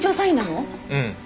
うん。